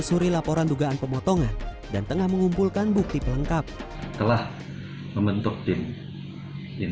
selama ini dirinya mengambil uang langsung di mesin anjungan tunai mandiri